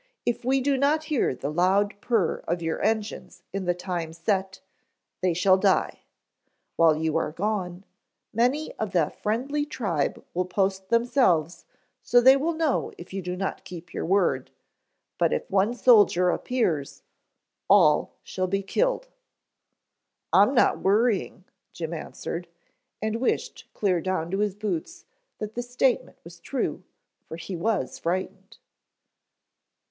"If we do not hear the loud purr of your engines in the time set, they shall die. While you are gone, many of the friendly tribe will post themselves so that they will know if you do not keep your word, and if but one soldier appears, all shall be killed." "I'm not worrying," Jim answered, and wished clear down to his boots that the statement was true, for he was frightened.